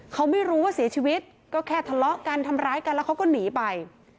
เขาไม่รู้ว่าเสียชีวิตก็แค่ทะเลาะกันทำร้ายกันแล้วเขาก็หนีไป